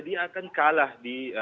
dia akan kalah di piluali makassar